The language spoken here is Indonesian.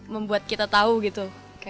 membuat kita tahu gitu